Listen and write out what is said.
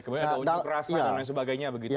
kemudian ada ujuk rasa dan lain sebagainya begitu ya